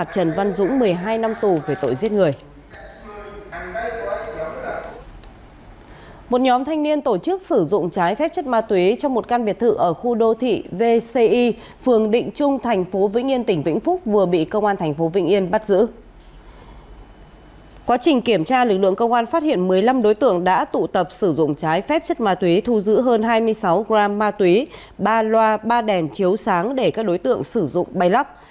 các lực lượng công an phát hiện một mươi năm đối tượng đã tụ tập sử dụng trái phép chất ma túy thu giữ hơn hai mươi sáu gram ma túy ba loa ba đèn chiếu sáng để các đối tượng sử dụng bay lắp